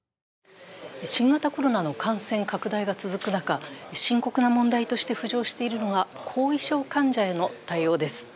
新型コロナの感染拡大が続く中、深刻な問題として浮上しているのが後遺症患者への対応です。